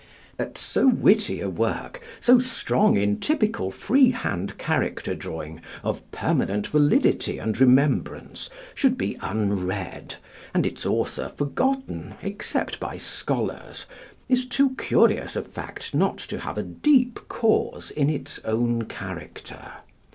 That so witty a work, so strong in typical freehand character drawing of permanent validity and remembrance, should be unread and its author forgotten except by scholars, is too curious a fact not to have a deep cause in its own character.